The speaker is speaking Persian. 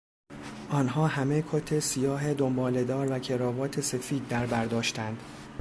آنها همه کت سیاه دنباله دار و کروات سفید در بر داشتند.